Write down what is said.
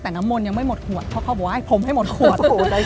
แต่น้ำมนต์ยังไม่หมดขวดเพราะเขาบอกว่าให้ผมให้หมดขวด